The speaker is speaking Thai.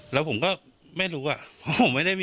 แล้วผมก็ไม่รู้ว่ะ